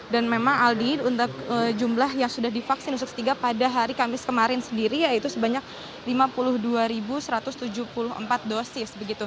dan memang aldi untuk jumlah yang sudah divaksin dosis ketiga pada hari kamis kemarin sendiri yaitu sebanyak lima puluh dua satu ratus tujuh puluh empat dosis